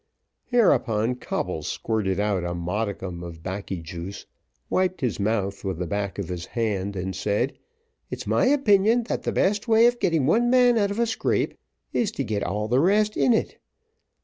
Hereupon Coble squirted out a modicum of 'baccy juice, wiped his mouth with the back of his hand, and said, "It's my opinion, that the best way of getting one man out of a scrape, is to get all the rest in it.